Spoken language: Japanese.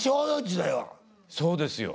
そうですよ